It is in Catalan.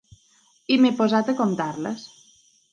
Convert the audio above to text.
I m’he posat a comptar-les.